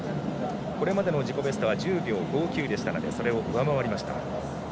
これまでの自己ベストは１０秒５９でしたのでそれを上回りました。